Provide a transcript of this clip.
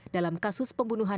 dalam kasus pembunuhan